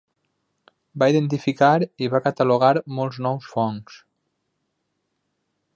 Va identificar i va catalogar molts nous fongs.